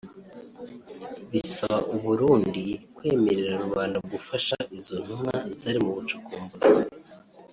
bisaba u Burundi kwemerera rubanda gufasha izo ntumwa zari mu bucukumbuzi